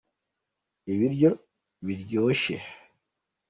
ibiryo biryoshye.